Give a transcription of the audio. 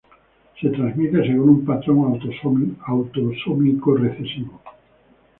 Se transmite según un patrón autosómico recesivo.